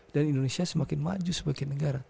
dan indonesia semakin maju sebagai negara